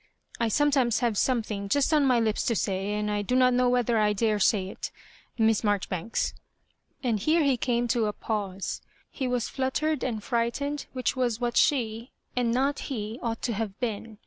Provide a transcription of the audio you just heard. ^ I sometimes have something just on my lips to say, and I do not know whether I dare say it. Miss Maijori banks " And here he came to a pause. He was flut tered and frightened, which was what she, and not he, ought to have been.